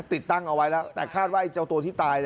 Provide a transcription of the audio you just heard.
ติดตั้งเอาไว้แล้วแต่คาดว่าเจ้าตัวที่ตาย